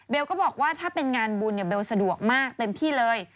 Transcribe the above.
ก็บอกว่าถ้าเป็นงานบุญเนี่ยเบลสะดวกมากเต็มที่เลย